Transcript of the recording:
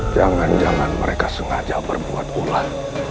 jangan jangan mereka sengaja berbuat ular